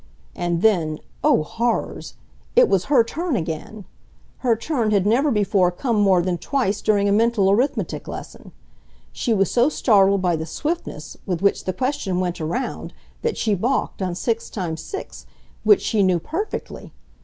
And then, oh horrors! It was her turn again! Her turn had never before come more than twice during a mental arithmetic lesson. She was so startled by the swiftness with which the question went around that she balked on 6 x 6, which she knew perfectly.